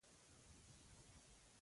درناوی د سولې او ورورګلوۍ یوه نښه ده.